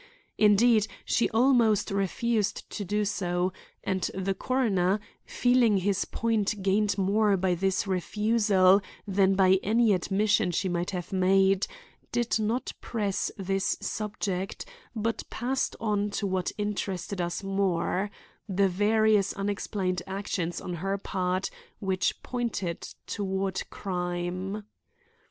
Indeed she almost refused to do so, and the coroner, feeling his point gained more by this refusal than by any admission she might have made, did not press this subject but passed on to what interested us more: the various unexplained actions on her part which pointed toward crime.